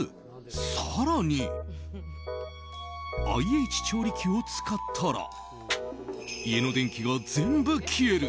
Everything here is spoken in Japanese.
更に、ＩＨ調理器を使ったら家の電気が全部消える。